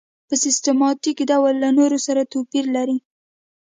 په سیستماتیک ډول له نورو سره توپیر لري.